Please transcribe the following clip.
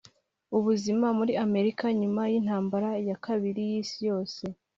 ubuzima muri amerika nyuma yintambara ya kabiri yisi yose